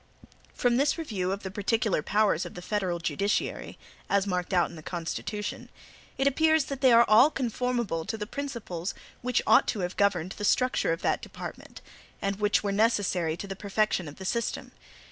From this review of the particular powers of the federal judiciary, as marked out in the Constitution, it appears that they are all conformable to the principles which ought to have governed the structure of that department, and which were necessary to the perfection of the system.